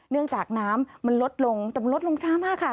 จากน้ำมันลดลงแต่มันลดลงช้ามากค่ะ